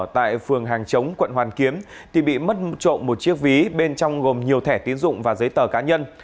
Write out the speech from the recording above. tại phường hàng chống quận hoàn kiếm thì bị mất trộm một chiếc ví bên trong gồm nhiều thẻ tiến dụng và giấy tờ cá nhân